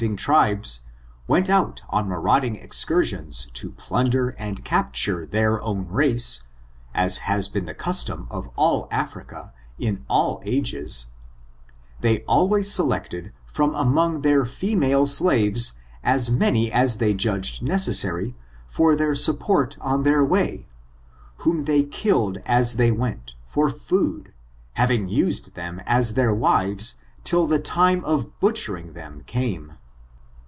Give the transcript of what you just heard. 235 ing tribes, went out on marauding excursions to pltiti der and capture their own race, as has been the cul^ torn of all Africa, in all vages, they always selected from among their female slaves as many as they judged necessary for their support on their way, whom they killed as they went, for food, having used them as their wi^es till the time of butchering them came.